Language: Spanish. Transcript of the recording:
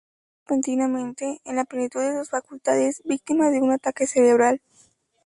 Murió repentinamente, en la plenitud de sus facultades, víctima de un ataque cerebral.